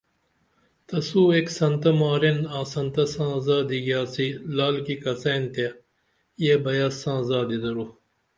تسو ایک سنتہ مارین آں سنتہ ساں زادی گیاڅی لعل کی کڅین تے یہ بیاس ساں زادی درو